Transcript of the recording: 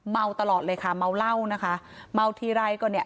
เมาตลอดเลยค่ะเมาเหล้านะคะเมาทีไรก็เนี่ย